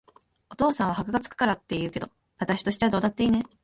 お父さんは箔が付くからって言うけど、あたしとしちゃどうだっていいね。